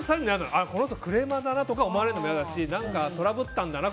ああ、この人クレーマーだなって思われるのも嫌だしトラブったんだな